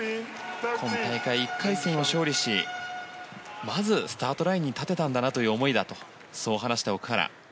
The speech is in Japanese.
今大会、１回戦を勝利しまず、スタートラインに立てたんだなという思いだとそう話した奥原。